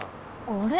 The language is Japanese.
あれ？